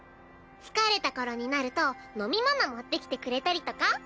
疲れた頃になると飲み物持ってきてくれたりとか。